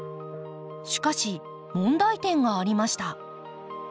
しかし問題点がありました。